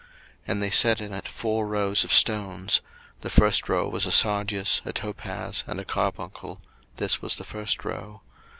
02:039:010 And they set in it four rows of stones: the first row was a sardius, a topaz, and a carbuncle: this was the first row.